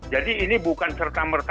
jadi ini bukan serta merta